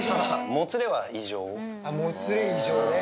もつれは異常ね。